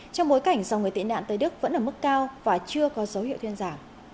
trong bối cảnh dòng người tị nạn tới đức vẫn ở mức cao và chưa có dấu hiệu thuyên giảm